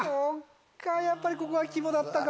やっぱりここが肝だったか。